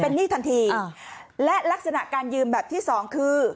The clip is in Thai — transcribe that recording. หนี้ทันทีและลักษณะการยืมแบบที่สองคือ